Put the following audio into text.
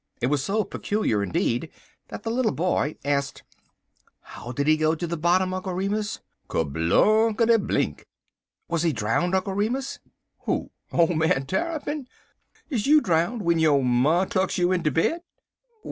It was so peculiar, indeed, that the little boy asked: "How did he go to the bottom, Uncle Remus?" "Kerblunkity blink!" "Was he drowned, Uncle Remus?" "Who? Ole man Tarrypin? Is you drowndid w'en yo' ma tucks you in de bed?"